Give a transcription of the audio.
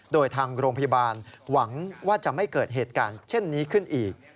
โดยทางโรงพยาบาลหวังว่าจะไม่เกิดเหตุการณ์เช่นนี้ขึ้นอีก